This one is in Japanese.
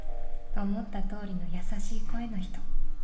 「思った通りの優しい声の人」